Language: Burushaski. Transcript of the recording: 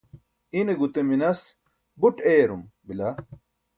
ine gute minas buṭ eyarum bila